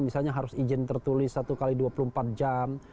misalnya harus izin tertulis satu x dua puluh empat jam